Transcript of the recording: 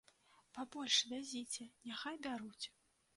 Пабольш вязіце, няхай бяруць.